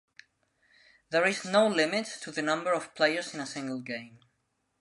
There is no limit to the number of players in a single game.